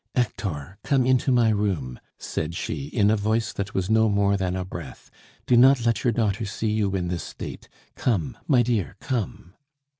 "Hector, come into my room," said she, in a voice that was no more than a breath. "Do not let your daughter see you in this state! Come, my dear, come!"